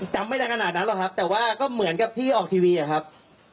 จำไม่ได้ขนาดนั้นหรอกครับแต่ว่าก็เหมือนกับที่ออกทีวีอะครับ